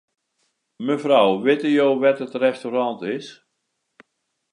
Mefrou, witte jo wêr't it restaurant is?